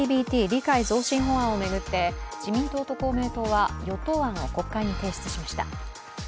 理解増進法案を巡って、自民党と公明党は与党案を国会に提出しました。